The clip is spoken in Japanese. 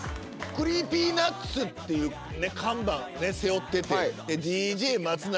ＣｒｅｅｐｙＮｕｔｓっていう看板ね背負っててＤＪ松永